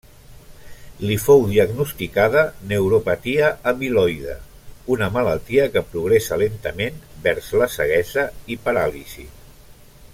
Li fou diagnosticada neuropatia amiloide, una malaltia que progressa lentament vers la ceguesa i paràlisi.